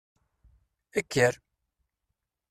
Ekker!